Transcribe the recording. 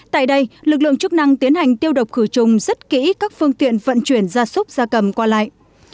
tại đây lực lượng chức năng tiến hành tiêu độc khử trùng rất kỹ các phương tiện vận chuyển gia súc gia cầm qua lại